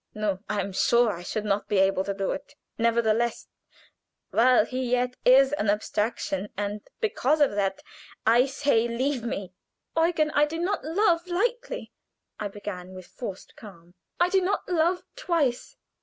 "No; I am sure I should not be able to do it. Nevertheless, while he yet is an abstraction, and because of that, I say, leave me!" "Eugen, I do not love lightly!" I began, with forced calm. "I do not love twice.